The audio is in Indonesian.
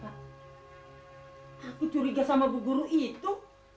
aku curiga sama bu guru itu